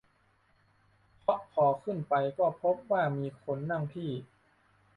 เพราะพอขึ้นไปก็พบว่ามีคนนั่งที่